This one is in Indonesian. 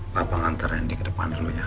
papa nganterin di kedepannya lo ya